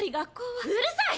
うるさい！